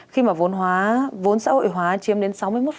khi mà vốn xã hội hóa chiếm đến sáu mươi một